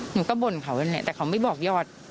หนูก็บ่นเขาอย่างนี้แต่เขาไม่บอกยอด